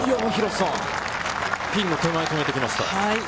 ピンの手前に止めてきました。